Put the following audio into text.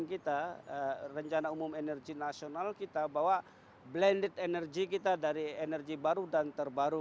kita rencana umum energi nasional kita bahwa blended energy kita dari energi baru dan terbaru